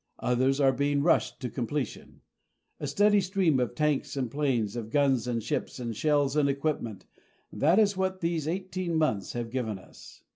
Others are being rushed to completion. A steady stream of tanks and planes, of guns and ships and shells and equipment that is what these eighteen months have given us.